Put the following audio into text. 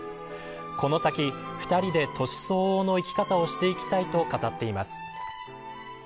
この先２人で年相応の生き方をしていきたいと語っています。